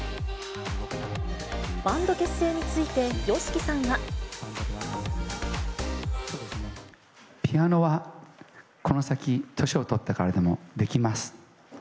バンド結成について、ＹＯＳＨＩピアノはこの先、年を取ってからでもできます。